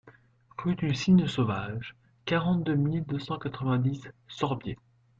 Rue du Cygne Sauvage, quarante-deux mille deux cent quatre-vingt-dix Sorbiers